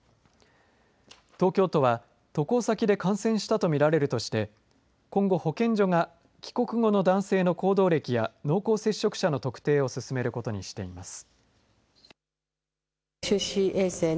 東京都は渡航先で感染したと見られるとして今後、保健所が帰国後の男性の行動歴や濃厚接触者の特定を進めることにしています。